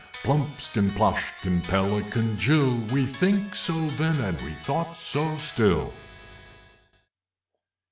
Plumpskin, Ploshkin, Pelican jill! We think so then, and we thought so still!